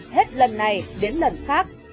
hết lần này đến lần khác